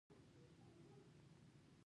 دوی په ګنګا کې غسل کوي.